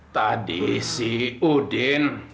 tadi si udin